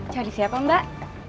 cari siapa mbak